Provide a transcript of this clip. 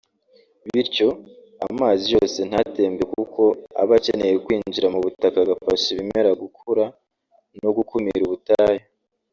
bityo amazi yose ntatembe kuko aba akeneye kwinjira mu butaka agafasha ibimera gukura no gukumira ubutayu